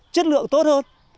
chất lượng tốt hơn